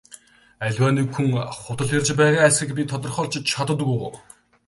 Аливаа нэг хүн худал ярьж байгаа эсэхийг би тодорхойлж чаддаг уу?